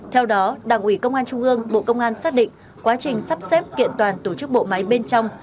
theo đó đảng ủy công an trung ương bộ công an xác định quá trình sắp xếp kiện toàn tổ chức bộ máy bên trong